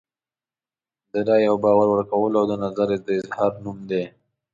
د رایې او باور ورکولو او د نظر د اظهار نوم دی.